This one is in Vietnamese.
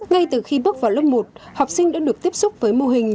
ngay từ khi bước vào lớp một học sinh đã được tiếp xúc với mô hình